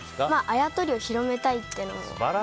あやとりを広めたいっていう。